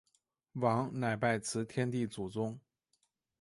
王乃拜辞天地祖宗。